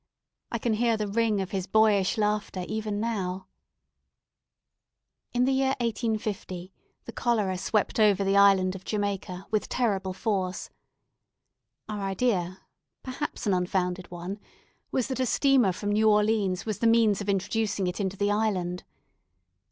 I can hear the ring of his boyish laughter even now. In the year 1850, the cholera swept over the island of Jamaica with terrible force. Our idea perhaps an unfounded one was, that a steamer from New Orleans was the means of introducing it into the island.